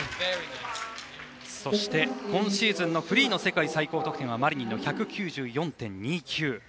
そして今シーズンのフリーの世界最高得点はマリニンの１９４．２９。